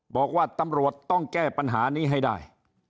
บอกว่าตำรวจต้องแก้ปัญหานี้ให้ได้